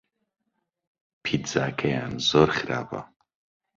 پیتزاکەیان زۆر خراپە.